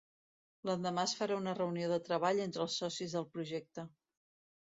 L'endemà es farà una reunió de treball entre els socis del projecte.